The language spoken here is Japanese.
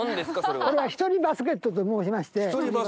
これは１人バスケットと申しまして。